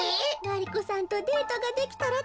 ガリ子さんとデートができたら。